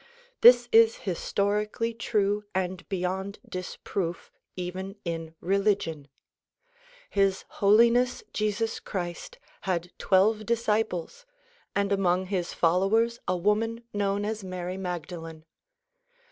This is historically true and beyond disproof even in religion. His Holiness Jesus Christ had twelve disciples and among his followers a woman known as Mary Magdalene.